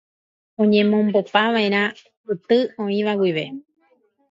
oñemombopava'erã yty oĩva guive